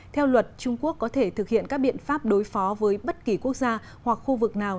theo luật trung quốc có thể thực hiện các biện pháp đối phó với bất kỳ quốc gia hoặc khu vực nào